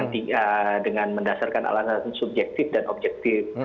dengan mendasarkan alasan subjektif dan objektif